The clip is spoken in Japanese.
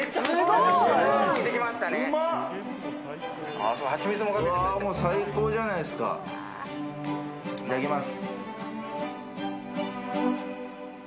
いただきます。